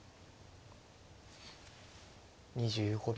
２５秒。